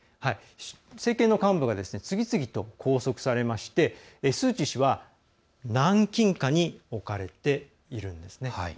政権の幹部が次々と拘束されましてスー・チー氏は軟禁下に置かれているんですね。